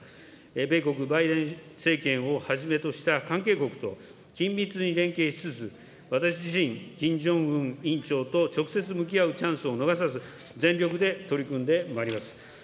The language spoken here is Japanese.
米国、バイデン政権をはじめとした関係国と緊密に連携しつつ、私自身、キム・ジョンウン委員長と直接向き合うチャンスを逃さず、全力で取り組んでまいります。